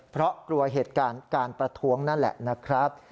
เพราะกลัวเหตุการณ์การประท้วงนั่นแหละนะครับ